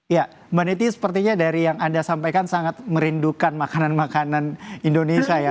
ya mbak neti sepertinya dari yang anda sampaikan sangat merindukan makanan makanan indonesia ya